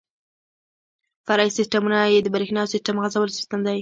فرعي سیسټمونه یې د بریښنا او سیسټم غځولو سیستم دی.